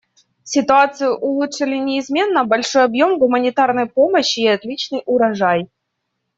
Ситуацию улучшили неизменно большой объем гуманитарной помощи и отличный урожай.